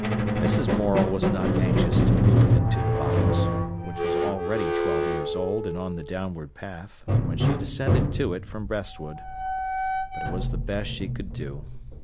Mrs. Morel was not anxious to move into the Bottoms, which was already twelve years old and on the downward path, when she descended to it from Bestwood. But it was the best she could do.